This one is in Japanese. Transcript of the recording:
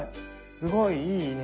すごいいいね。